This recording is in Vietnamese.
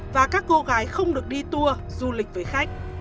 và các cô gái không được đi tour du lịch với khách